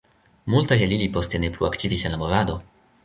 Multaj el ili poste ne plu aktivis en la movado.